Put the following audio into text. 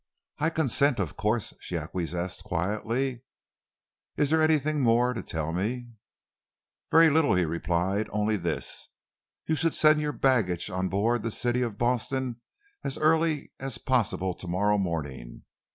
"I consent, of course," she acquiesced quietly. "Is there anything more to tell me?" "Very little," he replied, "only this. You should send your baggage on board the City of Boston as early as possible to morrow morning.